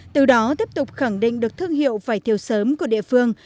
từ đó tiếp tục khẳng định được thương hiệu vải thiều sớm của địa phương